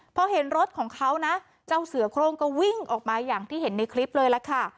พอเห็นรถของเขานะเจ้าเสือโครงก็วิ่งออกมาอย่างที่เห็นในคลิปเลยล่ะค่ะ